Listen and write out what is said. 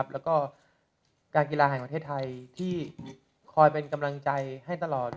และการกีฬาแห่งประเทศไทยที่ไปกำลังใจให้ตลอด